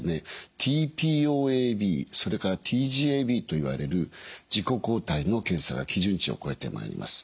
ＴＰＯＡｂそれからＴｇＡｂといわれる自己抗体の検査が基準値を超えてまいります。